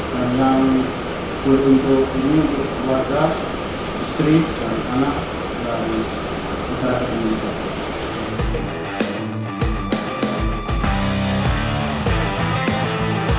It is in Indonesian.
dan yang gue untuk ini untuk keluarga istri dan anak dan bisa setakul